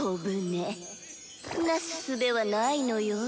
なすすべはないのよ。